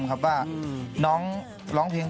เพราะว่าใจแอบในเจ้า